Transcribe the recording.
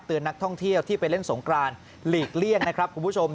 นักท่องเที่ยวที่ไปเล่นสงกรานหลีกเลี่ยงนะครับคุณผู้ชม